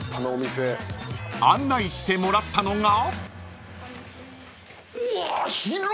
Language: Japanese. ［案内してもらったのが］